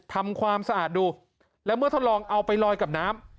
ทำความสะอาดดูแล้วเมื่อทดลองเอาไปลอยกับน้ำ